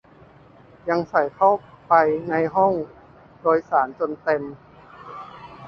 ยังใส่เข้าไปในห้องโดยสารจนเต็ม